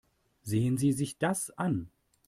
Sehen Sie sich das an.